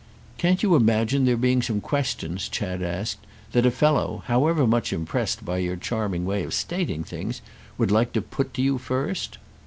"Can't you imagine there being some questions," Chad asked, "that a fellow—however much impressed by your charming way of stating things—would like to put to you first?"